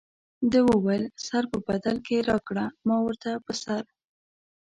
ده وویل سر په بدل کې راکړه ما ورته په سر.